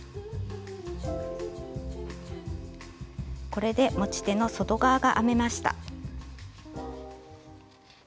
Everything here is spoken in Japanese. これで持ち手の外側が編めました。